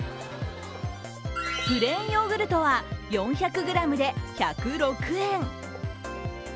プレーンヨーグルトは４００ｇで１０６円。